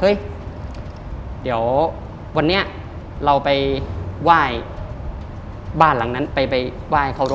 เอ๊กซ์เดี๋ยววันนี้เราไปว่ายบ้านหลังนั้นไปว่ายเขารถ